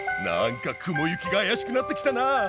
なんか雲行きが怪しくなってきたな。